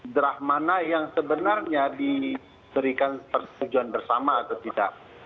drah mana yang sebenarnya disediakan persetujuan bersama atau tidak